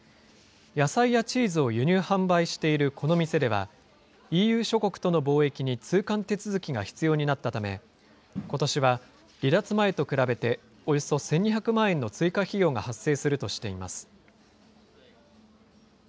野菜やチーズを輸入・販売しているこの店では、ＥＵ諸国との貿易に通関手続きが必要になったため、ことしは離脱前と比べておよそ１２００万円の追加費用が発生するとしています。